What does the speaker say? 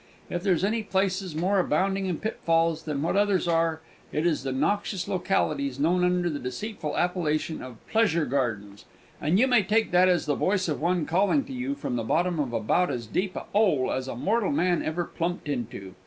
If there's any places more abounding in pitfalls than what others are, it is the noxious localities known under the deceitful appellation of 'pleasure' gardens. And you may take that as the voice of one calling to you from the bottom of about as deep a 'ole as a mortal man ever plumped into.